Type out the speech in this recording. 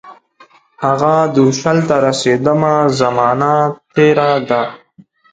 هغه درشل ته رسیدمه، زمانه تیره ده